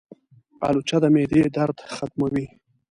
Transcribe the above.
الوچه د معدې درد ختموي.